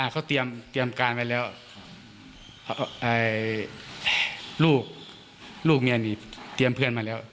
เขาเตรียมการไว้แล้วลูกเนี่ยนี่เตรียมเพื่อนมาแล้ว